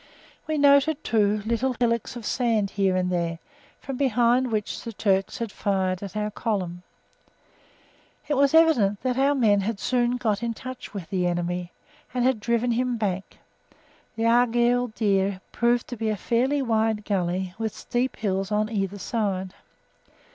We noted, too, little hillocks of sand here and there, from behind which the Turks had fired at our column. It was evident that our men had soon got in touch with the enemy and had driven him back. The Aghyl Dere proved to be a fairly wide gully with steep hills on either side.